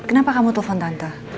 kenapa kamu telpon tante